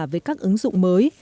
với các ứng dụng mới